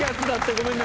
ごめんね。